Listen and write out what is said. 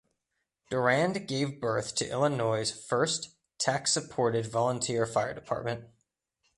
Durand gave birth to Illinois' first tax-supported volunteer fire department.